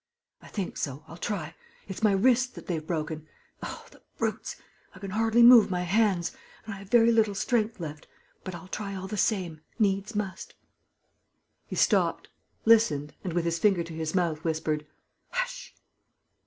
"I think so.... I'll try.... It's my wrists that they've broken.... Oh, the brutes! I can hardly move my hands ... and I have very little strength left. But I'll try all the same ... needs must...." He stopped, listened and, with his finger to his mouth, whispered: "Hush!"